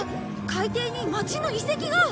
海底に街の遺跡が！